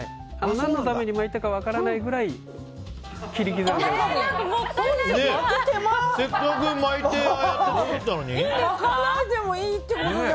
何のために巻いたか分からないぐらいもったいない。